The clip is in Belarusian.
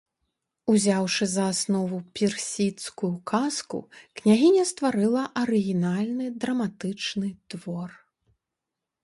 Узяўшы за аснову персідскую казку, княгіня стварыла арыгінальны драматычны твор.